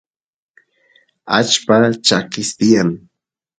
allpa chakiy tiyan